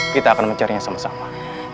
kita akan mencarinya sama sama